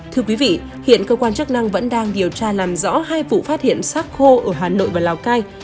thưa quý vị hiện cơ quan chức năng vẫn đang điều tra làm rõ hai vụ phát hiện sát khô ở hà nội và lào cai